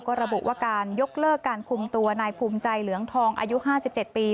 ก็ระบุว่าการยกเลิกการคุมตัวนายภูมิใจเหลืองทองอายุ๕๗ปี